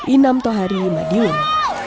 inam tohari madiun